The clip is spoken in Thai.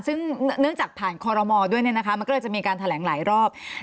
ซึ่งเนื่องจากผ่านคอรมอลด้วยมันก็เลยจะมีการแถลงหลายรอบ